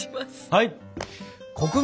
はい！